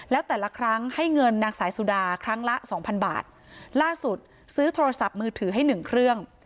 แล้วแต่ละครั้งให้เงินนางสายสุดาครั้งละสองพันบาทล่าสุดซื้อโทรศัพท์มือถือให้หนึ่งเครื่อง